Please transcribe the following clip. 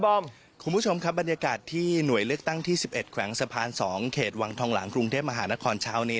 ของคุณผู้ชมบรรยากาศที่น่อยเลือกตั้งที่๑๑แขวงสะพาน๒